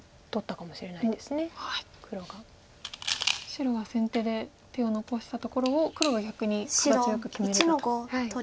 白が先手で手を残したところを黒が逆に形よく決めれたと。